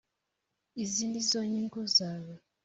izi nizo inyungu zawe.